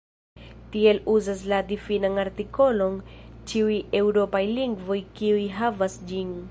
Tiel uzas la difinan artikolon ĉiuj eŭropaj lingvoj kiuj havas ĝin.